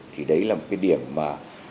thì đấy là một cái điểm mà